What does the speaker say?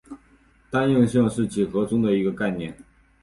单应性是几何中的一个概念。